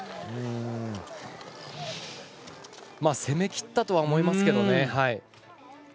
攻めきったとは思いますけど。